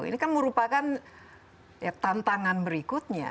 ini kan merupakan tantangan berikutnya